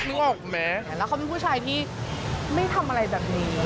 แล้วเขาเป็นผู้ชายที่ไม่ทำอะไรแบบนี้